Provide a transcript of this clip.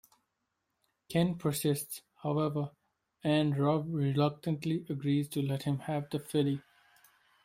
Ken persists, however, and Rob reluctantly agrees to let him have the filly.